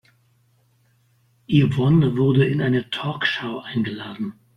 Yvonne wurde in eine Talkshow eingeladen.